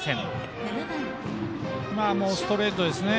もうストレートですね。